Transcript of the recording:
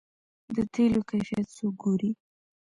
د تیلو کیفیت څوک ګوري؟